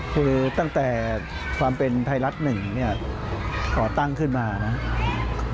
คือตั้งแต่ความเป็นไทรัฐหนึ่งขอตั้งขึ้นมานะ